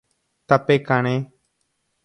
Tape karẽ